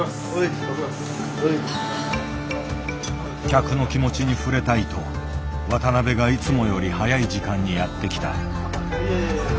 客の気持ちに触れたいと渡辺がいつもより早い時間にやって来た。